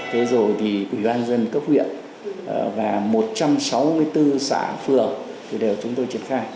thế rồi thì ubnd cấp huyện và một trăm sáu mươi bốn xã phường đều chúng tôi triển khai